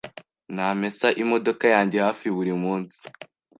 Namesa imodoka yanjye hafi buri munsi.